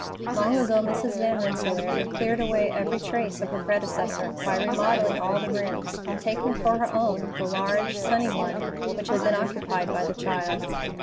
Long ago Mrs. Van Rensselaer had cleared away every trace of her predecessor, by remodelling all the rooms, and taking for her own the large, sunny one which had been occupied by the child.